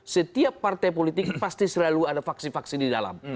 setiap partai politik pasti selalu ada faksi faksi di dalam